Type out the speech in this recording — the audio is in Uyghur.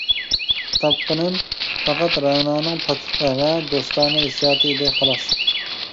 تاپقىنىم، پەقەت رەنانىڭ پاكلىقى ۋە دوستانە ھېسسىياتى ئىدى، خالاس.